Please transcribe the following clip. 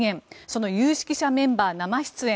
その有識者会議メンバー生出演。